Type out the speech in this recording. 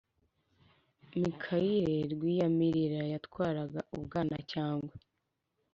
Mikayire Rwiyamirira yatwaraga Ubwanacyambwe.